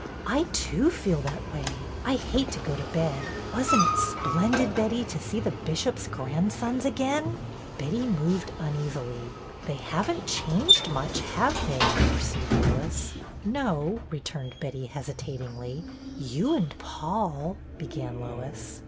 '' I, too, feel that way. I hate to go to bed. Wasn't it splendid, Betty, to see the bishop's grandsons again ?" Betty moved uneasily. ''They haven't changed much, have they?" pursued Lois. " No," returned Betty, hesitatingly. " You and Paul —" began Lois.